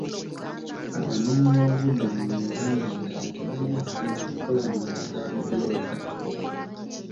Abanoonyiboobubudamu mu nkambi endala tebalina ssente kukola manda ga bubulooka.